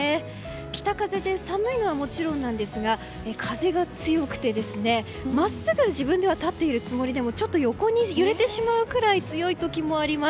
北風で寒いのはもちろんなんですが風が強くてですね、真っすぐ自分では立っているつもりでもちょっと横に揺れてしまうくらい強い時もあります。